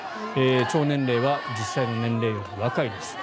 腸年齢は実際の年齢より若いです。